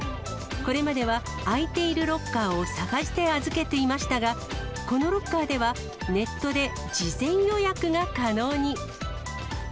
これまでは、空いているロッカーを探して預けていましたが、このロッカーでは、ネットで事前予約が可能に。